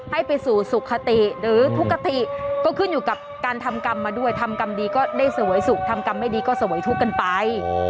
ให้ไปสู่สุขติหรือทุกคติก็ขึ้นอยู่กับการทำกรรมมาด้วยทำกรรมดีก็ได้เสวยสุขทำกรรมไม่ดีก็เสวยทุกข์กันไป